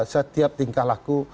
setiap tingkah laku